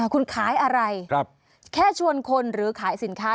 คุณขายอะไรแค่ชวนคนหรือขายสินค้า